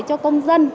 cho công dân